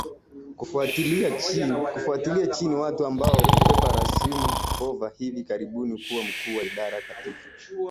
kufuatilia chini watu ambao kukwepa rasimu Hoover hivi karibuni kuwa mkuu wa idara katika